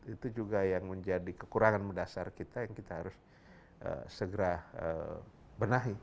itu juga yang menjadi kekurangan mendasar kita yang kita harus segera benahi